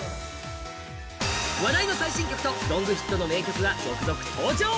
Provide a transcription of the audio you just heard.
話題の最新曲とロングヒットの名曲が続々登場！